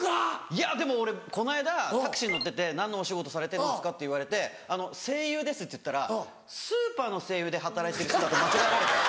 いやでも俺この間タクシー乗ってて「何のお仕事されてるんですか？」って言われて「声優です」っつったらスーパーの西友で働いてる人だと間違えられて。